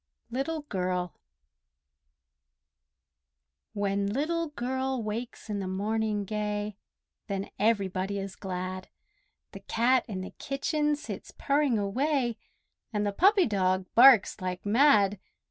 LITTLE GIRL When Little Girl wakes in the morning gay Then everybody is glad; The cat in the kitchen sits purring away, And the puppy dog barks like mad.